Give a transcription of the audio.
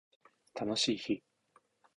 楽しい日